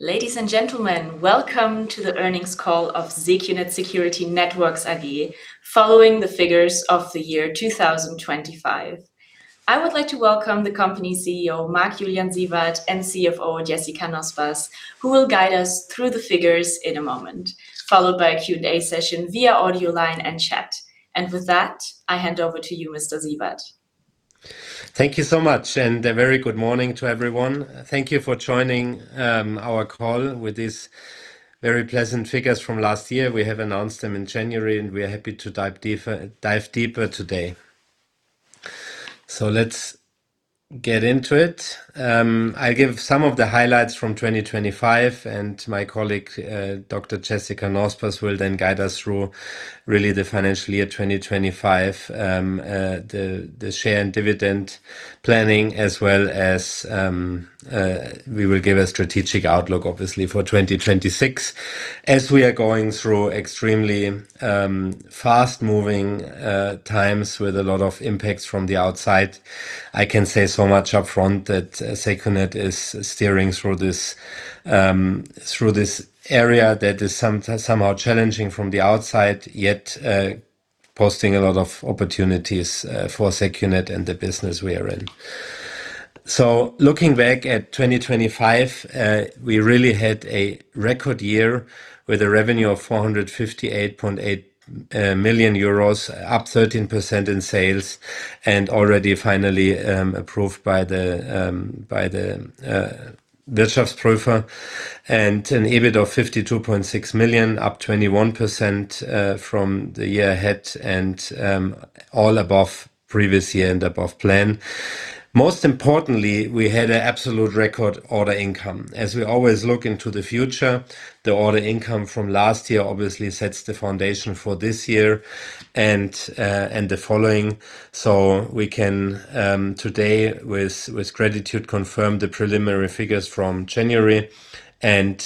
Ladies and gentlemen, welcome to the earnings call of secunet Security Networks AG following the figures of the year 2025. I would like to welcome the company CEO, Marc-Julian Siewert, and CFO, Jessica Nospers, who will guide us through the figures in a moment, followed by a Q&A session via audio line and chat. With that, I hand over to you, Mr. Siewert. Thank you so much, and a very good morning to everyone. Thank you for joining our call with these very pleasant figures from last year. We have announced them in January, and we are happy to dive deeper today. Let's get into it. I give some of the highlights from 2025, and my colleague, Dr. Jessica Nospers, will then guide us through really the financial year 2025, the share and dividend planning, as well as we will give a strategic outlook obviously for 2026. As we are going through extremely fast-moving times with a lot of impacts from the outside, I can say so much upfront that secunet is steering through this area that is somehow challenging from the outside, yet posting a lot of opportunities for secunet and the business we are in. Looking back at 2025, we really had a record year with a revenue of 458.8 million euros, up 13% in sales and an EBIT of 52.6 million, up 21% from the year-ago and all above previous year and above plan. Most importantly, we had an absolute record order income. As we always look into the future, the order income from last year obviously sets the foundation for this year and the following. We can today with gratitude confirm the preliminary figures from January and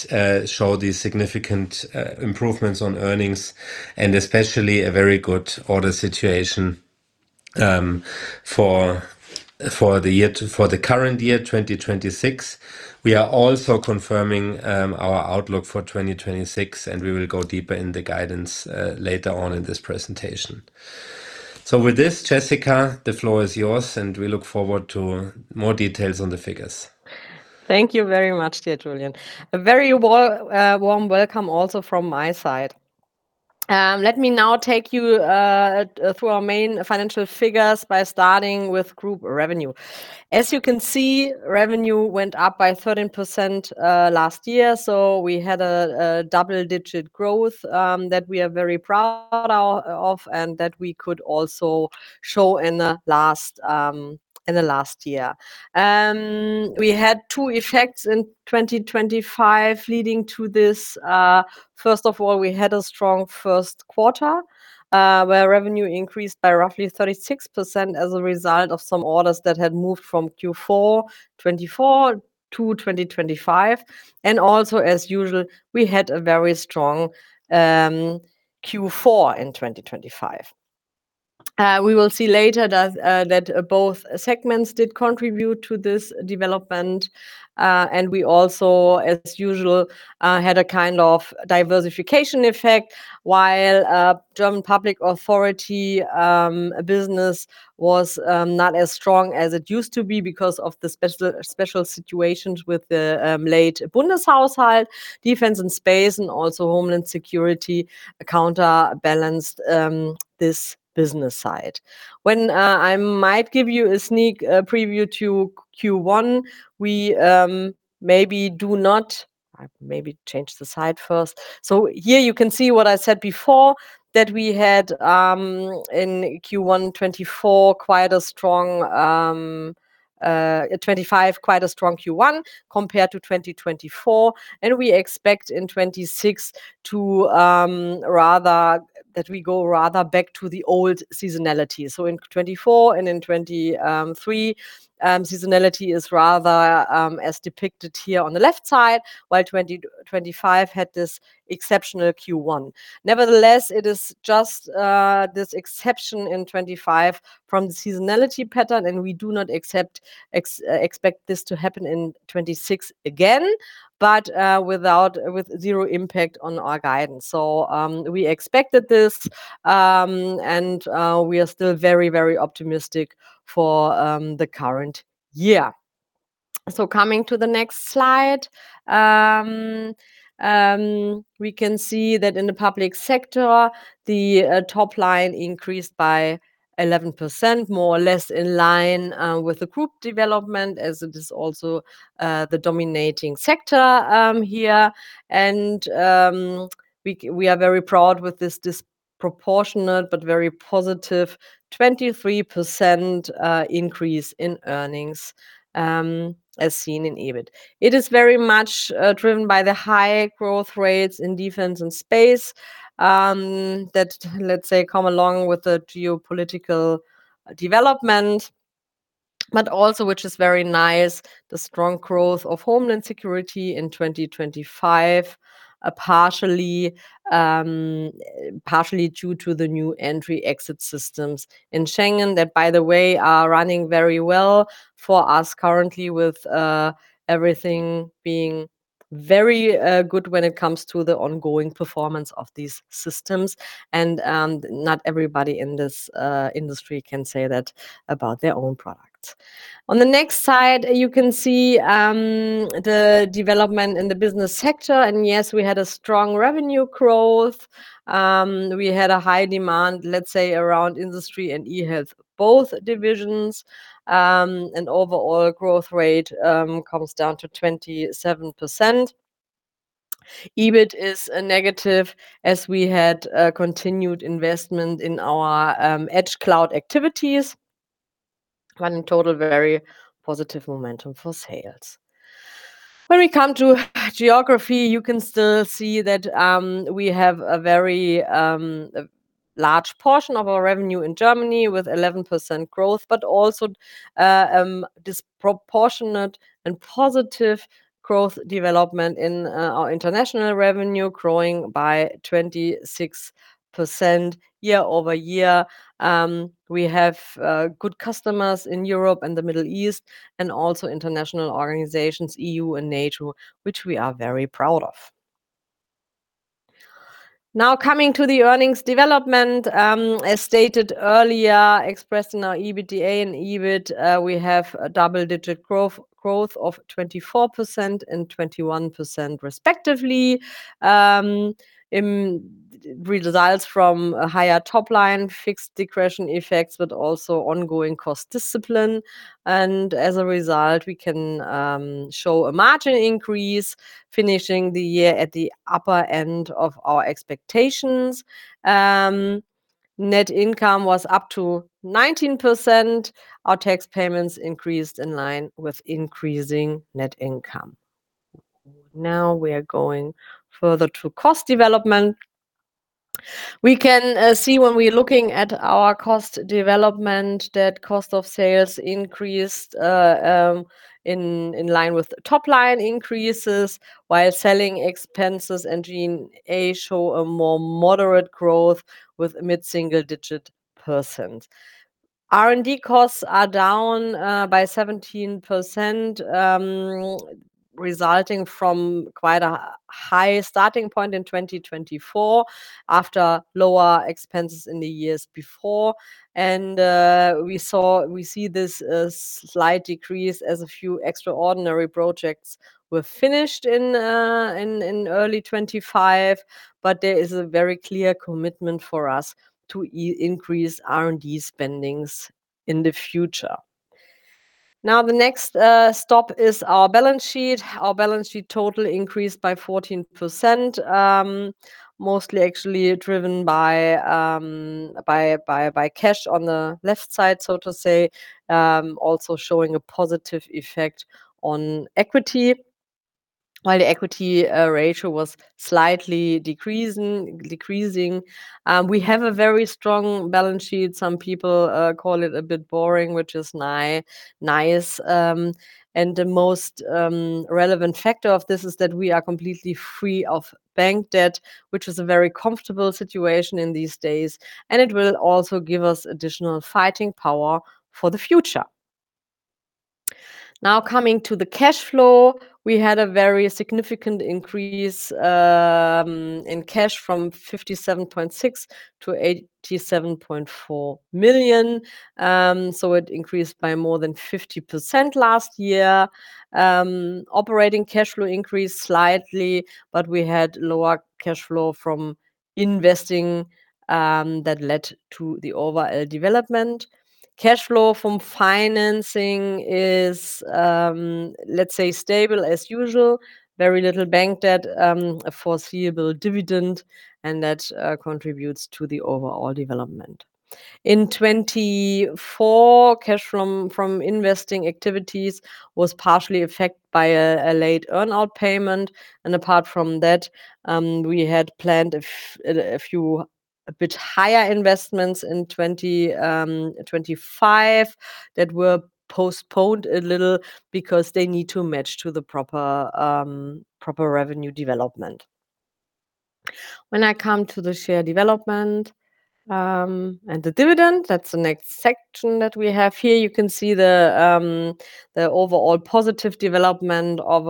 show the significant improvements on earnings and especially a very good order situation for the current year, 2026. We are also confirming our outlook for 2026, and we will go deeper in the guidance later on in this presentation. With this, Jessica, the floor is yours, and we look forward to more details on the figures. Thank you very much, dear Julian. A very warm welcome also from my side. Let me now take you through our main financial figures by starting with group revenue. As you can see, revenue went up by 13% last year, so we had a double-digit growth that we are very proud of and that we could also show in the last year. We had two effects in 2025 leading to this. First of all, we had a strong first quarter where revenue increased by roughly 36% as a result of some orders that had moved from Q4 2024 to 2025. Also, as usual, we had a very strong Q4 in 2025. We will see later that both segments did contribute to this development. We also, as usual, had a kind of diversification effect while German public authority business was not as strong as it used to be because of the special situations with the late Bundeshaushalt, Defense and Space and also Homeland Security counterbalanced this business side. When I might give you a sneak preview to Q1, I maybe change the slide first. Here you can see what I said before, that we had in Q1 2024 quite a strong 2025, quite a strong Q1 compared to 2024. We expect in 2026 to rather that we go rather back to the old seasonality. In 2024 and in 2023, seasonality is rather as depicted here on the left side, while 2025 had this exceptional Q1. Nevertheless, it is just this exception in 2025 from the seasonality pattern, and we do not expect this to happen in 2026 again, but with zero impact on our guidance. We expected this, and we are still very, very optimistic for the current year. Coming to the next slide. We can see that in the Public Sector, the top line increased by 11% more or less in line with the group development as it is also the dominating sector here. We are very proud with this disproportionate but very positive 23% increase in earnings as seen in EBIT. It is very much driven by the high growth rates in Defense and Space that, let's say, come along with the geopolitical development, but also which is very nice, the strong growth of homeland security in 2025, partially due to the new Entry/Exit Systems in Schengen that, by the way, are running very well for us currently with everything being very good when it comes to the ongoing performance of these systems and not everybody in this industry can say that about their own products. On the next slide, you can see the development in the Business Sector, and yes, we had a strong revenue growth. We had a high demand, let's say, around industry and eHealth, both divisions, and overall growth rate comes down to 27%. EBIT is negative as we had continued investment in our edge cloud activities, but in total, very positive momentum for sales. When we come to geography, you can still see that we have a very large portion of our revenue in Germany with 11% growth, but also disproportionate and positive growth development in our international revenue growing by 26% year-over-year. We have good customers in Europe and the Middle East and also international organizations, EU and NATO, which we are very proud of. Now, coming to the earnings development. As stated earlier, expressed in our EBITDA and EBIT, we have a double-digit growth of 24% and 21% respectively, in results from a higher top line, fixed depreciation effects, but also ongoing cost discipline and as a result, we can show a margin increase finishing the year at the upper end of our expectations. Net income was up 19%. Our tax payments increased in line with increasing net income. Now we are going further to cost development. We can see when we're looking at our cost development that cost of sales increased in line with top line increases while selling expenses and G&A show a more moderate growth with mid-single digit percent. R&D costs are down by 17%, resulting from quite a high starting point in 2024 after lower expenses in the years before. We see this slight decrease as a few extraordinary projects were finished in early 2025, but there is a very clear commitment for us to increase R&D spending in the future. Now, the next stop is our balance sheet. Our balance sheet total increased by 14%, mostly actually driven by cash on the left side, so to say, also showing a positive effect on equity. While the equity ratio was slightly decreasing, we have a very strong balance sheet. Some people call it a bit boring, which is nice. The most relevant factor of this is that we are completely free of bank debt, which is a very comfortable situation in these days, and it will also give us additional fighting power for the future. Coming to the cash flow, we had a very significant increase in cash from 57.6 million-87.4 million. It increased by more than 50% last year. Operating cash flow increased slightly, but we had lower cash flow from investing that led to the overall development. Cash flow from financing is, let's say stable as usual. Very little bank debt, a foreseeable dividend and that contributes to the overall development. In 2024, cash from investing activities was partially affected by a late earn-out payment, and apart from that, we had planned a few bit higher investments in 2025 that were postponed a little because they need to match to the proper revenue development. When I come to the share development and the dividend, that's the next section that we have here. You can see the overall positive development of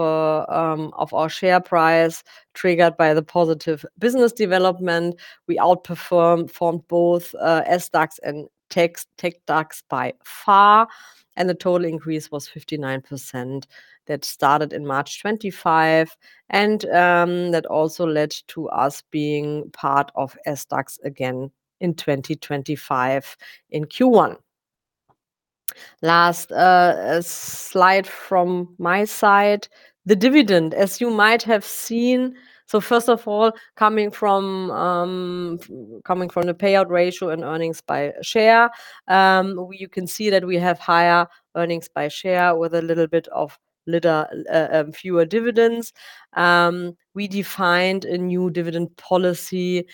our share price triggered by the positive business development. We outperformed from both SDAX and TecDAX by far, and the total increase was 59%. That started in March 2025, and that also led to us being part of SDAX again in 2025 in Q1. Last slide from my side, the dividend, as you might have seen. First of all, from the payout ratio and earnings per share, you can see that we have higher earnings per share with a little bit fewer dividends. We defined a new dividend policy.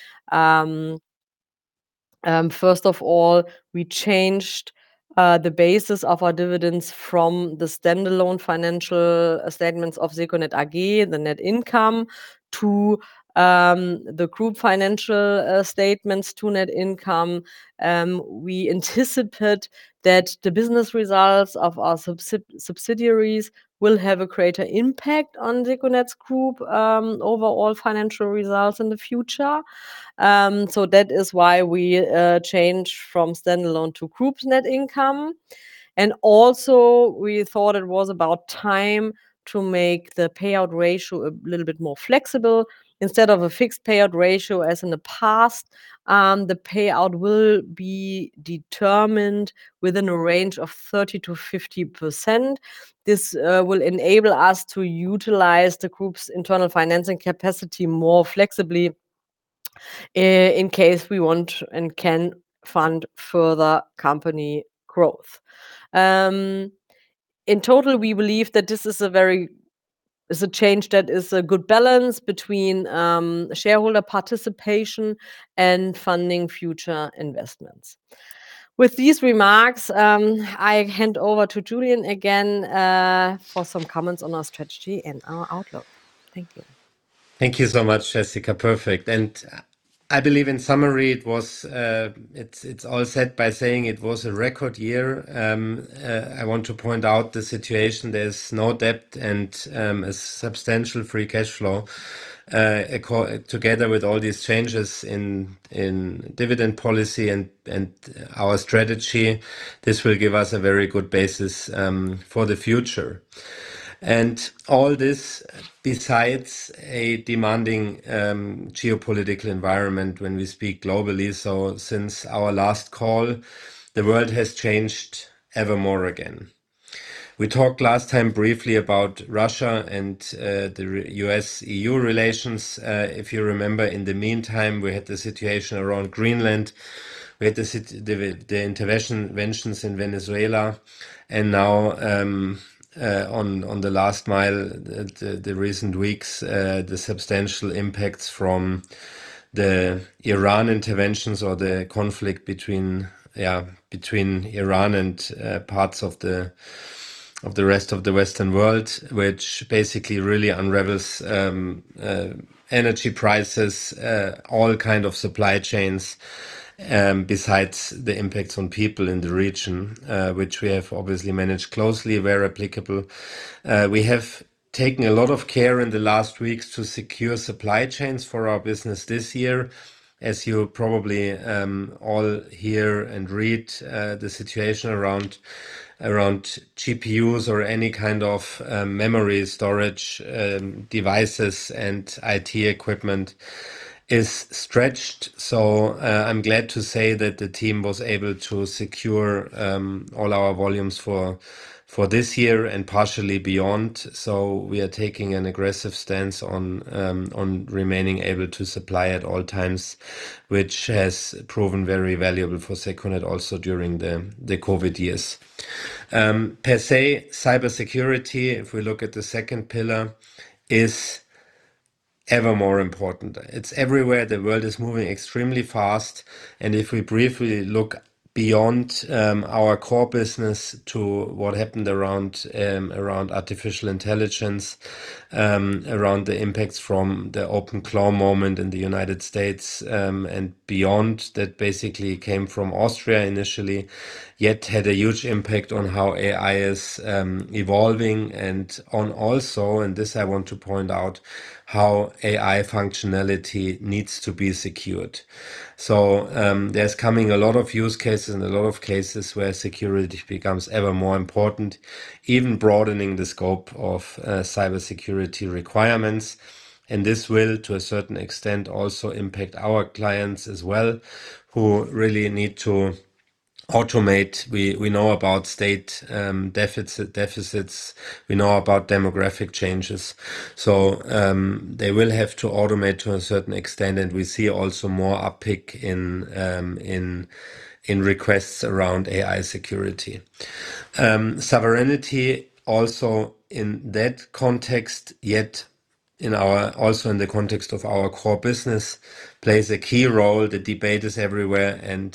First of all, we changed the basis of our dividends from the standalone financial statements of secunet AG, the net income, to the group financial statements, the net income. We anticipate that the business results of our subsidiaries will have a greater impact on secunet's group overall financial results in the future. That is why we change from standalone to group net income. Also, we thought it was about time to make the payout ratio a little bit more flexible. Instead of a fixed payout ratio as in the past, the payout will be determined within a range of 30%-50%. This will enable us to utilize the group's internal financing capacity more flexibly in case we want and can fund further company growth. In total, we believe that this is a change that is a good balance between shareholder participation and funding future investments. With these remarks, I hand over to Julian again for some comments on our strategy and our outlook. Thank you. Thank you so much, Jessica. Perfect. I believe in summary it was, it's all said by saying it was a record year. I want to point out the situation. There's no debt and a substantial free cash flow. Together with all these changes in dividend policy and our strategy, this will give us a very good basis for the future. All this besides a demanding geopolitical environment when we speak globally. Since our last call, the world has changed even more again. We talked last time briefly about Russia and the U.S.-EU relations. If you remember in the meantime, we had the situation around Greenland, we had the interventions in Venezuela, and now, on the last mile, the recent weeks, the substantial impacts from the Iran interventions or the conflict between Iran and parts of the rest of the Western world, which basically really unravels energy prices, all kinds of supply chains, besides the impacts on people in the region, which we have obviously managed closely where applicable. We have taken a lot of care in the last weeks to secure supply chains for our business this year. As you probably all hear and read, the situation around GPUs or any kind of memory storage devices and IT equipment is stretched. I'm glad to say that the team was able to secure all our volumes for this year and partially beyond. We are taking an aggressive stance on remaining able to supply at all times, which has proven very valuable for secunet also during the COVID years. Per se, cybersecurity, if we look at the second pillar, is ever more important. It's everywhere. The world is moving extremely fast, and if we briefly look beyond our core business to what happened around artificial intelligence, around the impacts from the OpenAI moment in the United States and beyond, that basically came from Austria initially, yet had a huge impact on how AI is evolving and on also, and this I want to point out, how AI functionality needs to be secured. There's coming a lot of use cases and a lot of cases where security becomes ever more important, even broadening the scope of cybersecurity requirements. This will, to a certain extent, also impact our clients as well, who really need to automate. We know about state deficits. We know about demographic changes. They will have to automate to a certain extent, and we see also more uptick in requests around AI security. Sovereignty also in that context, also in the context of our core business, plays a key role. The debate is everywhere and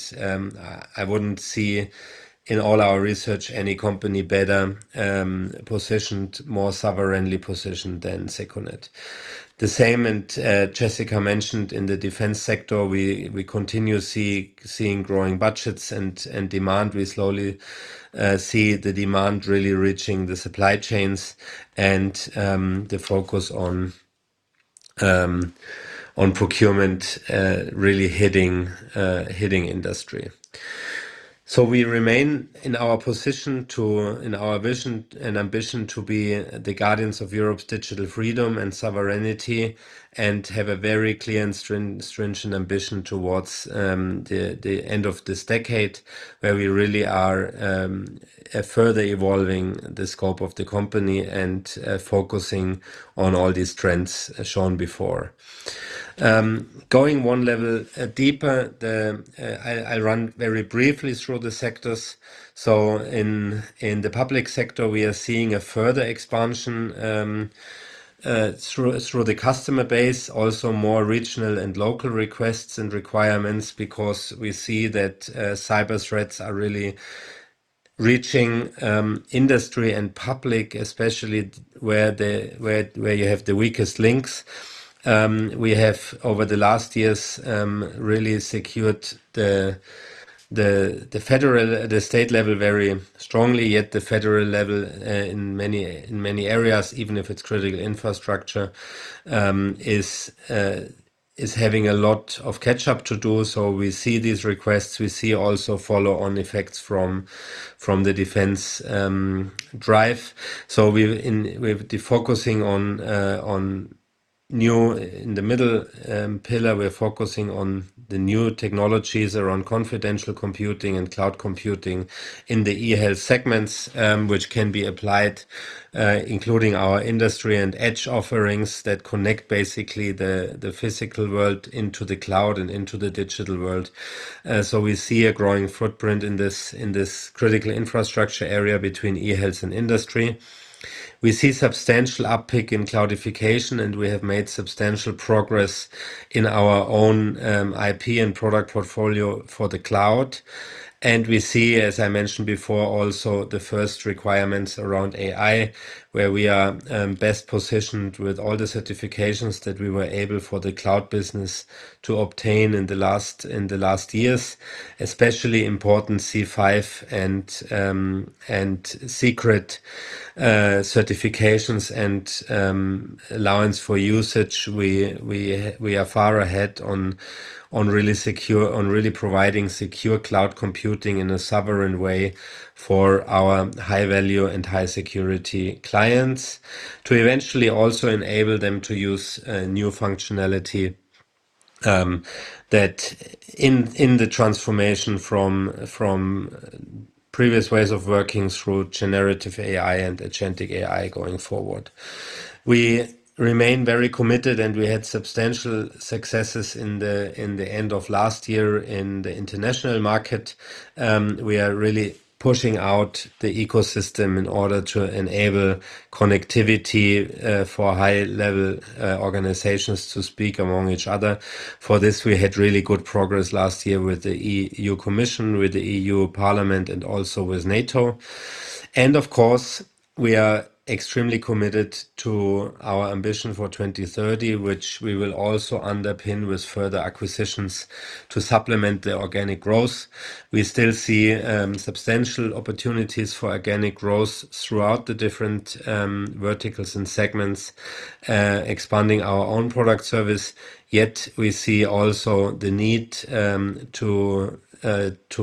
I wouldn't see in all our research any company better positioned, more sovereignly positioned than secunet. The same, Jessica mentioned in the Defense sector, we continue seeing growing budgets and demand. We slowly see the demand really reaching the supply chains and the focus on procurement really hitting industry. We remain in our position in our vision and ambition to be the guardians of Europe's digital freedom and sovereignty, and have a very clear and strengthened ambition towards the end of this decade, where we really are further evolving the scope of the company and focusing on all these trends shown before. Going one level deeper, I run very briefly through the sectors. In the Public Sector, we are seeing a further expansion through the customer base, also more regional and local requests and requirements because we see that cyber threats are really reaching industry and public, especially where you have the weakest links. We have over the last years really secured the state level very strongly at the federal level in many areas, even if it's critical infrastructure is having a lot of catch-up to do. We see these requests. We see also follow-on effects from the defense drive. We're focusing on new... In the middle pillar, we're focusing on the new technologies around confidential computing and cloud computing in the eHealth segments, which can be applied, including our industry and edge offerings that connect basically the physical world into the cloud and into the digital world. We see a growing footprint in this critical infrastructure area between eHealth and industry. We see substantial uptick in cloudification, and we have made substantial progress in our own IP and product portfolio for the cloud. We see, as I mentioned before, also the first requirements around AI, where we are best positioned with all the certifications that we were able for the cloud business to obtain in the last years, especially important C5 and secret certifications and allowance for usage. We are far ahead on really providing secure cloud computing in a sovereign way for our high-value and high-security clients to eventually also enable them to use new functionality that in the transformation from previous ways of working through generative AI and agentic AI going forward. We remain very committed, and we had substantial successes in the end of last year in the international market. We are really pushing out the ecosystem in order to enable connectivity for high-level organizations to speak among each other. For this, we had really good progress last year with the EU Commission, with the EU Parliament, and also with NATO. Of course, we are extremely committed to our ambition for 2030, which we will also underpin with further acquisitions to supplement the organic growth. We still see substantial opportunities for organic growth throughout the different verticals and segments, expanding our own product service. Yet we see also the need to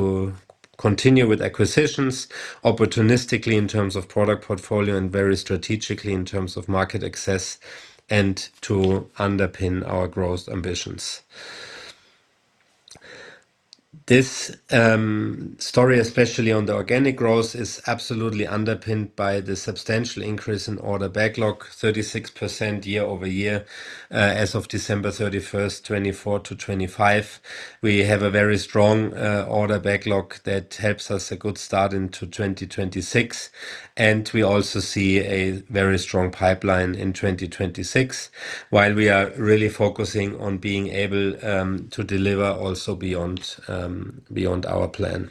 continue with acquisitions opportunistically in terms of product portfolio and very strategically in terms of market access and to underpin our growth ambitions. This story, especially on the organic growth, is absolutely underpinned by the substantial increase in order backlog, 36% year over year, as of December 31, 2024 to 2025. We have a very strong order backlog that helps us a good start into 2026, and we also see a very strong pipeline in 2026, while we are really focusing on being able to deliver also beyond our plan.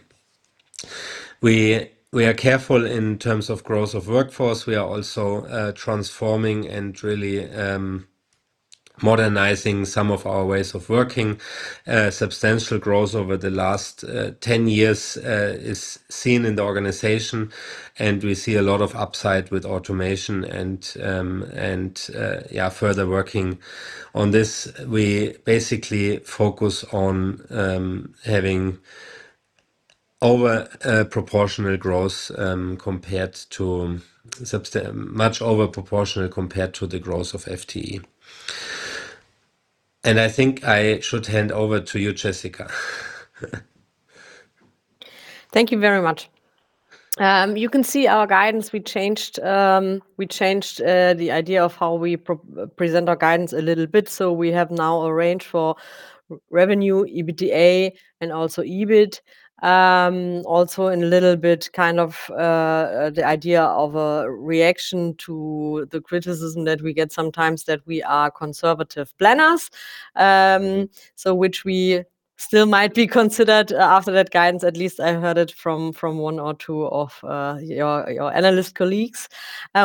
We are careful in terms of growth of workforce. We are also transforming and really modernizing some of our ways of working. Substantial growth over the last 10 years is seen in the organization, and we see a lot of upside with automation and further working on this. We basically focus on having over proportional growth compared to much over proportional compared to the growth of FTE. I think I should hand over to you, Jessica. Thank you very much. You can see our guidance. We changed the idea of how we present our guidance a little bit. We have now a range for revenue, EBITDA, and also EBIT. Also, in a little bit, kind of the idea of a reaction to the criticism that we get sometimes that we are conservative planners, which we still might be considered after that guidance. At least I heard it from one or two of your analyst colleagues.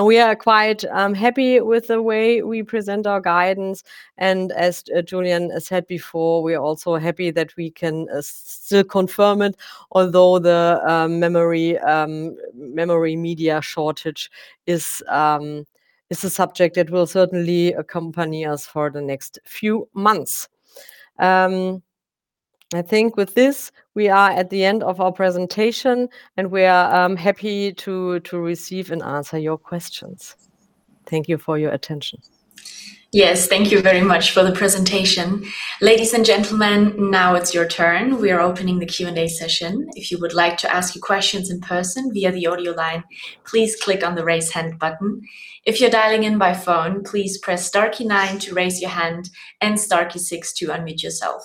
We are quite happy with the way we present our guidance. As Julian has said before, we are also happy that we can still confirm it, although the memory media shortage is a subject that will certainly accompany us for the next few months. I think with this, we are at the end of our presentation, and we are happy to receive and answer your questions. Thank you for your attention. Yes. Thank you very much for the presentation. Ladies and gentlemen, now it's your turn. We are opening the Q&A session. If you would like to ask your questions in person via the audio line, please click on the Raise Hand button. If you're dialing in by phone, please press star key nine to raise your hand and star key six to unmute yourself.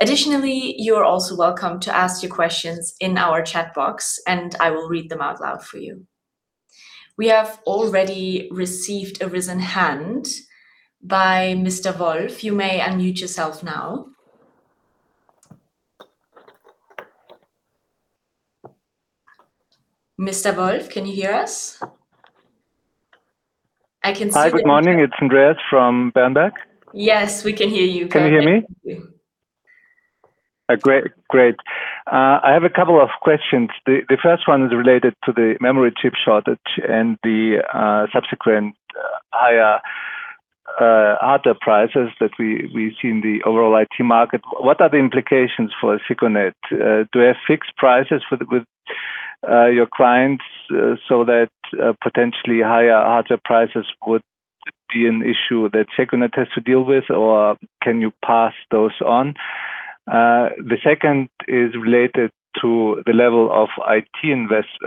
Additionally, you are also welcome to ask your questions in our chat box, and I will read them out loud for you. We have already received a raised hand by Mr. Wolf. You may unmute yourself now. Mr. Wolf, can you hear us? I can see that you- Hi. Good morning. It's Andreas from Warburg. Yes, we can hear you perfectly. Can you hear me? Great. I have a couple of questions. The first one is related to the memory chip shortage and the subsequent higher hardware prices that we see in the overall IT market. What are the implications for secunet? Do we have fixed prices with your clients so that potentially higher hardware prices could be an issue that secunet has to deal with? Or can you pass those on? The second is related to the level of IT investments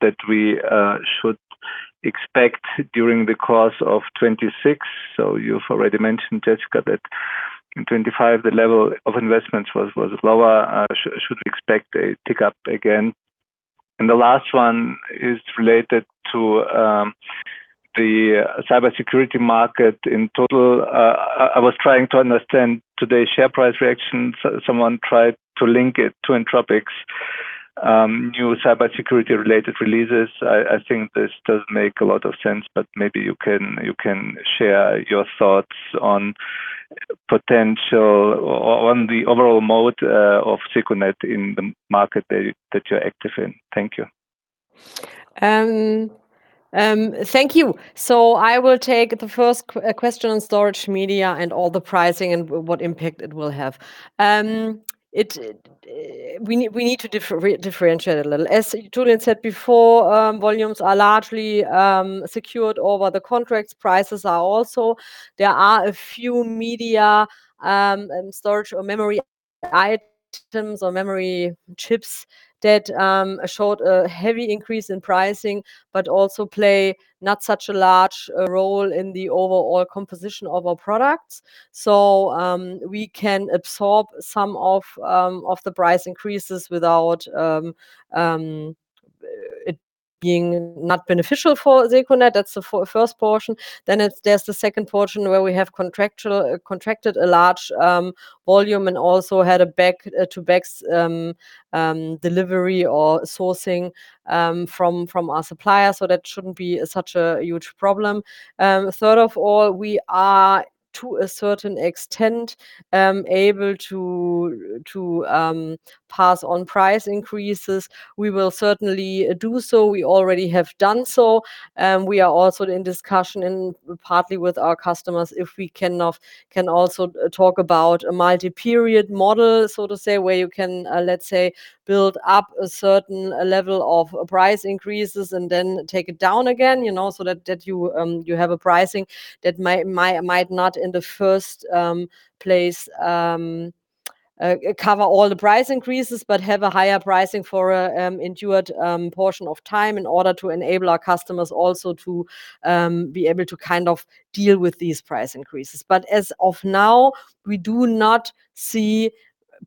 that we should expect during the course of 2026. You've already mentioned, Jessica, that in 2025 the level of investments was lower. Should we expect a tick-up again? The last one is related to the cybersecurity market in total. I was trying to understand today's share price reaction. Someone tried to link it to Anthropic, new cybersecurity related releases. I think this does make a lot of sense, but maybe you can share your thoughts on potential or on the overall moat of secunet in the market that you're active in. Thank you. Thank you. I will take the first question on storage media and all the pricing and what impact it will have. We need to differentiate a little. As Julian said before, volumes are largely secured over the contracts, prices are also. There are a few media storage or memory items or memory chips that showed a heavy increase in pricing, but also play not such a large role in the overall composition of our products. We can absorb some of the price increases without it being not beneficial for secunet. That's the first portion. There's the second portion where we have contracted a large volume and also had a back-to-back delivery or sourcing from our supplier. That shouldn't be such a huge problem. Third of all, we are, to a certain extent, able to pass on price increases. We will certainly do so. We already have done so. We are also in discussion partly with our customers, if we can also talk about a multi-period model, so to say, where you can, let's say, build up a certain level of price increases and then take it down again, you know, so that you have a pricing that might not in the first place cover all the price increases but have a higher pricing for an enduring portion of time in order to enable our customers also to be able to kind of deal with these price increases. As of now, we do not see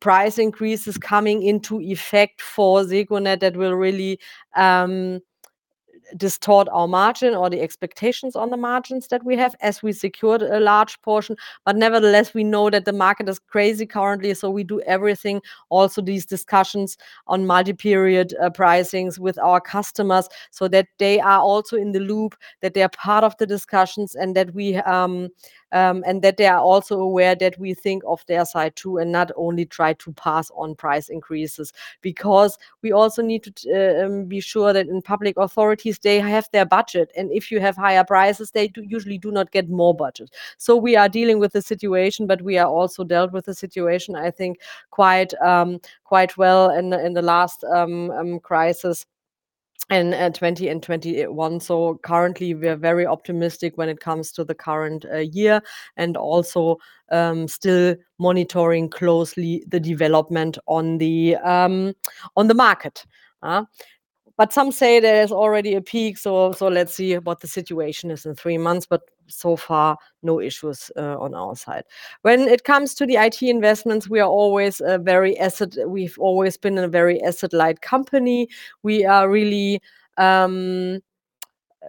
price increases coming into effect for secunet that will really distort our margin or the expectations on the margins that we have as we secured a large portion. Nevertheless, we know that the market is crazy currently, so we do everything, also these discussions on multi-period pricings with our customers so that they are also in the loop, that they are part of the discussions and that we, and that they are also aware that we think of their side too, and not only try to pass on price increases. Because we also need to be sure that in public authorities they have their budget, and if you have higher prices, they usually do not get more budget. We are dealing with the situation, but we are also dealt with the situation, I think quite well in the last crisis in 2020 and 2021. Currently we are very optimistic when it comes to the current year and also still monitoring closely the development on the market. But some say there's already a peak, let's see what the situation is in three months, but so far, no issues on our side. When it comes to the IT investments, we've always been a very asset light company. We are really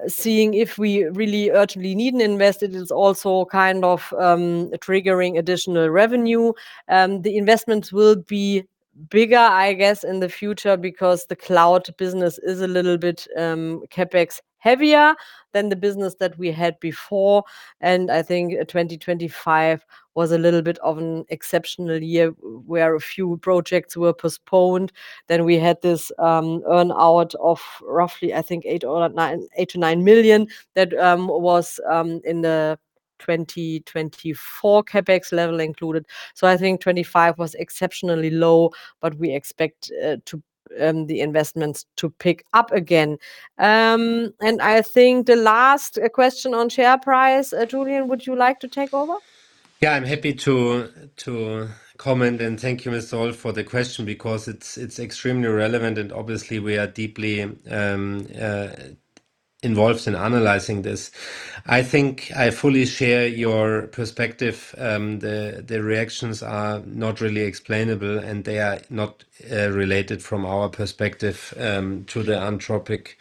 seeing if we really urgently need an investment. It is also kind of triggering additional revenue. The investments will be bigger, I guess, in the future because the cloud business is a little bit, CapEx heavier than the business that we had before. I think 2025 was a little bit of an exceptional year where a few projects were postponed. We had this earn-out of roughly, I think 8 million-9 million that was in the 2024 CapEx level included. I think 2025 was exceptionally low, but we expect the investments to pick up again. I think the last question on share price, Julian, would you like to take over? Yeah, I'm happy to comment, and thank you, Mr. Wolf, for the question because it's extremely relevant and obviously we are deeply involved in analyzing this. I think I fully share your perspective, the reactions are not really explainable, and they are not related from our perspective to the Anthropic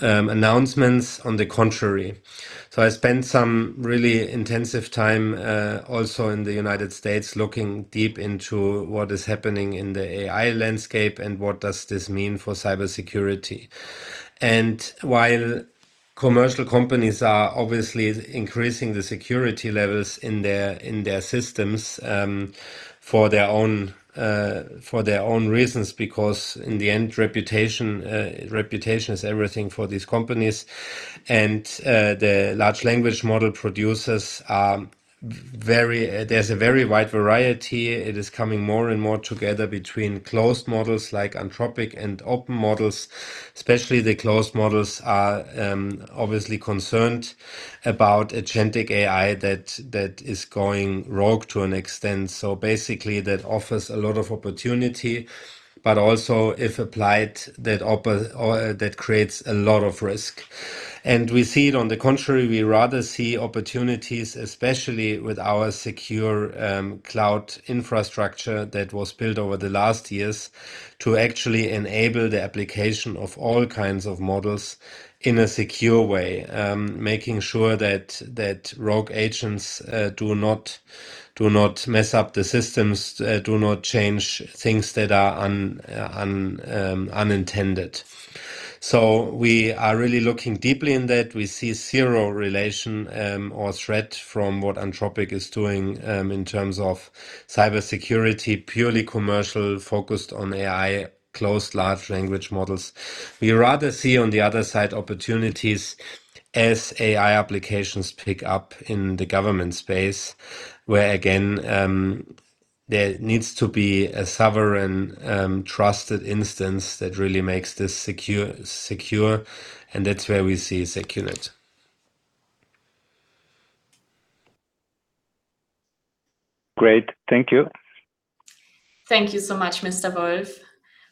announcements. On the contrary. I spent some really intensive time also in the United States, looking deep into what is happening in the AI landscape and what does this mean for cybersecurity. While commercial companies are obviously increasing the security levels in their systems for their own reasons, because in the end, reputation is everything for these companies. The large language model producers are very. There is a very wide variety. It is coming more and more together between closed models like Anthropic and open models, especially the closed models are obviously concerned about agentic AI that is going rogue to an extent. Basically that offers a lot of opportunity, but also if applied, that creates a lot of risk. We see it on the contrary, we rather see opportunities, especially with our secure cloud infrastructure that was built over the last years to actually enable the application of all kinds of models in a secure way, making sure that rogue agents do not mess up the systems, do not change things that are unintended. We are really looking deeply in that. We see zero relation, or threat from what Anthropic is doing, in terms of cybersecurity, purely commercial, focused on AI, closed large language models. We rather see on the other side opportunities as AI applications pick up in the government space, where again, there needs to be a sovereign, trusted instance that really makes this secure, and that's where we see secunet. Great. Thank you. Thank you so much, Mr. Wolf.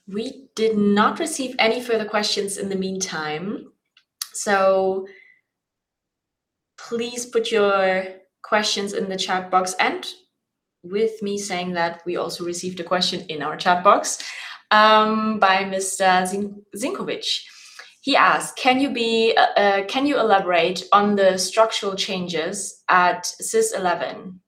We did not receive any further questions in the meantime, so please put your questions in the chat box. With me saying that, we also received a question in our chat box by Mr. Zinkovic. He asked, "Can you elaborate on the structural changes at SysEleven?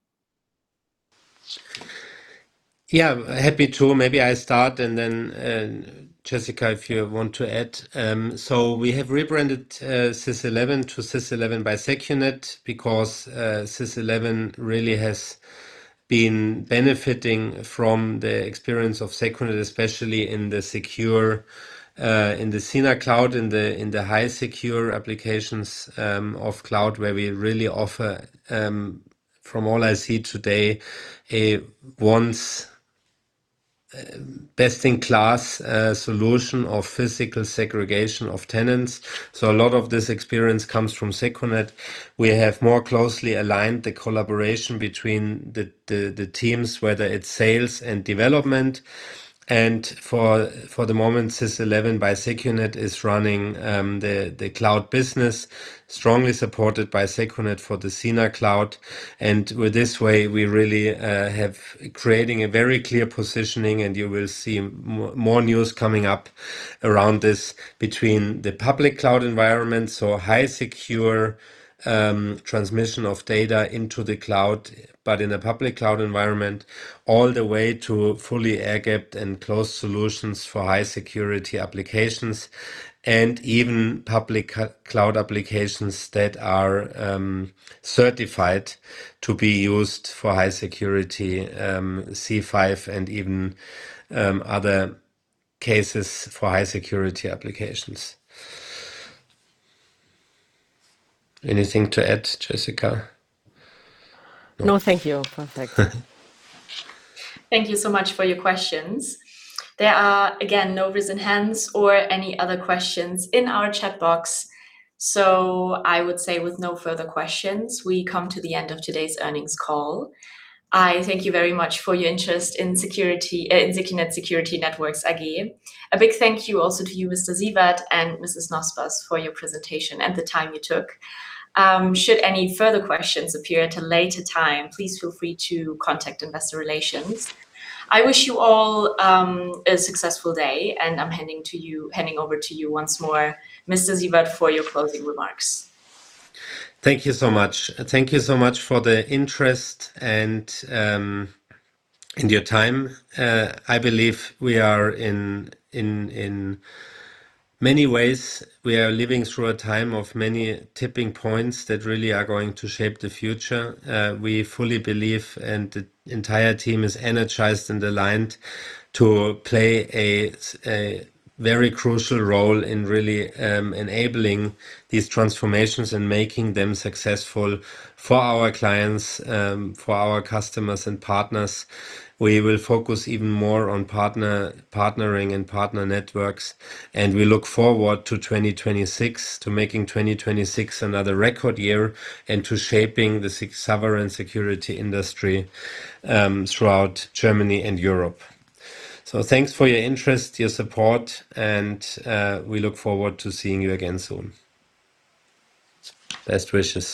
Yeah, happy to. Maybe I start and then, Jessica, if you want to add. We have rebranded SysEleven to SysEleven by secunet because SysEleven really has been benefiting from the experience of secunet, especially in the SINA Cloud, in the high secure applications of cloud, where we really offer from all I see today the best-in-class solution of physical segregation of tenants. A lot of this experience comes from secunet. We have more closely aligned the collaboration between the teams, whether it's sales and development. For the moment, SysEleven by secunet is running the cloud business strongly supported by secunet for the SINA Cloud. With this way, we really have creating a very clear positioning, and you will see more news coming up around this between the public cloud environment, so high secure transmission of data into the cloud. In a public cloud environment, all the way to fully air-gapped and closed solutions for high security applications and even public cloud applications that are certified to be used for high security, C5 and even other cases for high security applications. Anything to add, Jessica? No, thank you. Perfect. Thank you so much for your questions. There are, again, no risen hands or any other questions in our chat box. I would say with no further questions, we come to the end of today's earnings call. I thank you very much for your interest in security, in secunet Security Networks AG. A big thank you also to you, Mr. Siewert, and Mrs. Nospers for your presentation and the time you took. Should any further questions appear at a later time, please feel free to contact Investor Relations. I wish you all a successful day, and I'm handing over to you once more, Mr. Siewert, for your closing remarks. Thank you so much. Thank you so much for the interest and your time. I believe we are in many ways, we are living through a time of many tipping points that really are going to shape the future. We fully believe, and the entire team is energized and aligned to play a very crucial role in really enabling these transformations and making them successful for our clients, for our customers and partners. We will focus even more on partnering and partner networks, and we look forward to 2026, to making 2026 another record year, and to shaping the sovereign security industry throughout Germany and Europe. Thanks for your interest, your support, and we look forward to seeing you again soon. Best wishes.